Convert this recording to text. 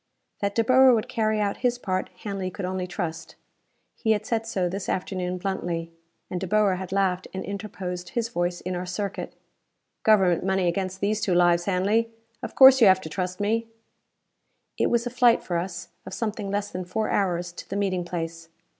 That De Boer would carry out his part, Hanley could only trust. He had said so this afternoon bluntly. And De Boer had laughed and interposed his voice in our circuit. "Government money against these two lives, Hanley! Of course you have to trust me!" It was a flight, for us, of something less than four hours to the meeting place.